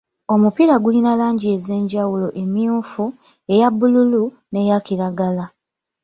Omupiira gulina langi ez'enjawulo emyufu, eya bbululu, n'eya kiragala.